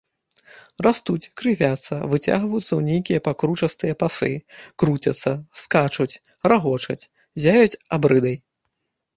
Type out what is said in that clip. Растуць, крывяцца, выцягваюцца ў нейкія пакручастыя пасы, круцяцца, скачуць, рагочуць, ззяюць абрыдай.